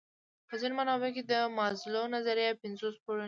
په ځینو منابعو کې د مازلو نظریه پنځو پوړونو ده.